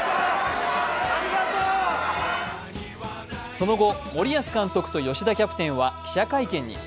その後、森保監督と吉田キャプテンは記者会見に。